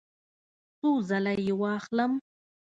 څو ځله یی واخلم؟